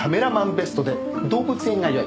ベストで動物園通い。